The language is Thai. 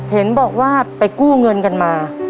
เห็นบอกว่าไปกู้เงินกันมา